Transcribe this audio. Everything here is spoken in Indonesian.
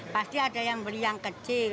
pasti ada yang beli yang kecil